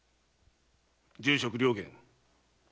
住職・良源。